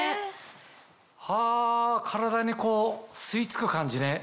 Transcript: はぁ体に吸い付く感じね。